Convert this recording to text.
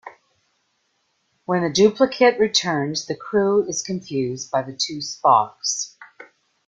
When the duplicate returns, the crew is confused by the two Spocks.